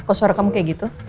kos suara kamu kayak gitu